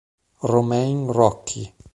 Romain Rocchi